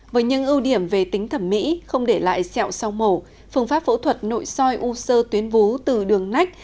với những ưu điểm về tính thẩm mỹ không để lại sẹo sau mổ phương pháp phẫu thuật nội soi u sơ tuyến vú từ đường nách